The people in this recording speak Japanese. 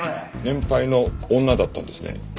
年配の女だったんですね？